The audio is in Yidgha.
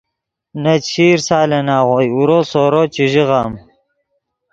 نے چشیر سالن آغوئے اورو سورو چے ژیغم